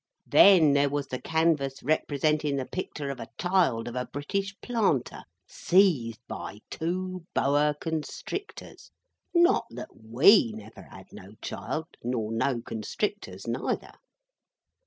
Then, there was the canvass, representin the picter of a child of a British Planter, seized by two Boa Constrictors—not that we never had no child, nor no Constrictors neither.